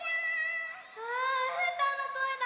あうーたんのこえだ！